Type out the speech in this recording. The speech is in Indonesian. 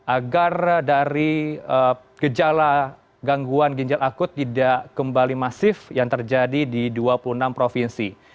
agar dari gejala gangguan ginjal akut tidak kembali masif yang terjadi di dua puluh enam provinsi